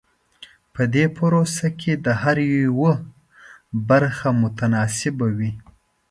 په دې پروسه کې د هر یوه برخه متناسبه وي.